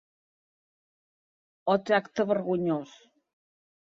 O tracte vergonyós!